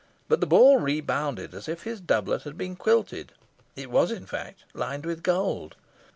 But the ball rebounded, as if his doublet had been quilted. It was in fact lined with gold.